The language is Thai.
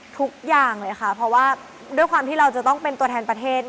ทุกอย่างเลยค่ะเพราะว่าด้วยความที่เราจะต้องเป็นตัวแทนประเทศ